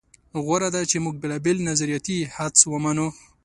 غوره ده چې موږ بېلابېل نظریاتي حدس ومنو.